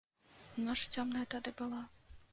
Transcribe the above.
Ноч цёмная тады была.